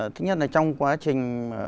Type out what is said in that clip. thứ nhất là trong quan trọng